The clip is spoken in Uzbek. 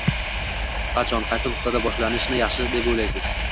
Qachon, qaysi nuqtada boshlashni yaxshi deb oʻylaysiz?